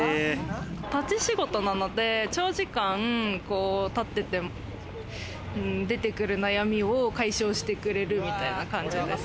立ち仕事なので、長時間立ってて出てくる悩みを解消してくれるみ